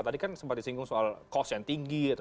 tadi kan sempat disinggung soal cost yang tinggi gitu